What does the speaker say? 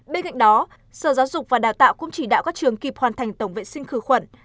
bên cạnh đó sở giáo dục và đào tạo cũng chỉ đạo các trường kịp hoàn thành tổng vệ sinh khử khuẩn